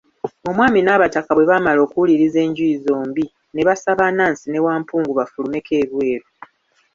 Omwami n'abataka bwe baamala okuwuliriza enjuyi zombi, ne basaba Anansi ne Wampungu bafulumeko ebweru.